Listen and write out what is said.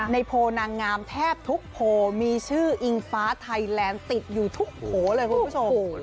โพลนางงามแทบทุกโพลมีชื่ออิงฟ้าไทยแลนด์ติดอยู่ทุกโผล่เลยคุณผู้ชม